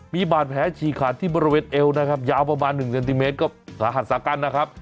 มีบาดแผลฉีกขาดที่บริเวณเอวนะครับยาวประมาณ๑เซนติเมตรก็สาหัสสากันนะครับ